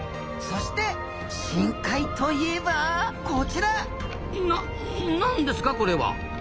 そして深海といえばこちらな何ですかこれは？